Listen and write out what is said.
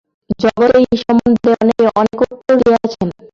জগতে এই সম্বন্ধে অনেকে অনেক উত্তর দিয়াছেন।